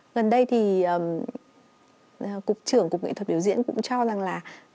gần đây thì cục trưởng cục nghệ thuật biểu diễn cũng cho rằng là